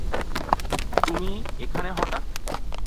তুমি এখানে হঠাৎ?